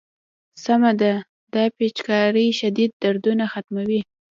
سمه ده دا پيچکارۍ شديد دردونه ختموي.